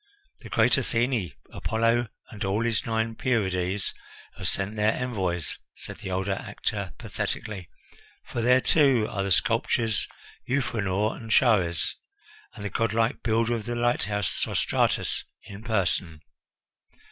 "The great Athene, Apollo, and all his nine Pierides, have sent their envoys," said the older actor pathetically, "for there, too, are the sculptors Euphranor and Chares, and the godlike builder of the lighthouse, Sostratus in person."